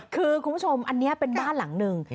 คือคุณผู้ชมอันนี้เป็นบ้านหลังหนึ่ง